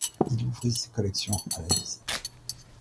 Il ouvrit ses collections à la visite.